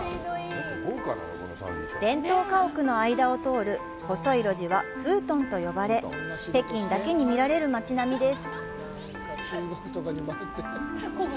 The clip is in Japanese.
伝統家屋の間を通る細い路地は「胡同」と呼ばれ北京だけに見られる街並みです。